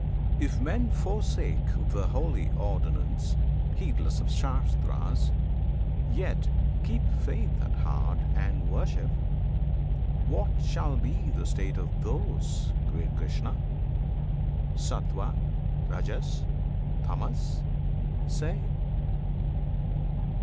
If men forsake the holy ordinance, Heedless of Shastras, yet keep faith at heart And worship, what shall be the state of those, Great Krishna! Sattwan, Rajas, Tamas? Say!